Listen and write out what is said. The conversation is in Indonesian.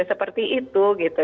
juga seperti itu gitu